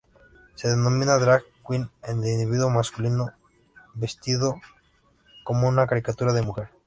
Se denomina "drag queen" al individuo masculino vestido como una caricatura de mujer.